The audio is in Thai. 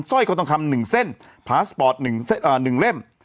ร้อยคอทองคำ๑เส้นพาสปอร์ต๑เล่ม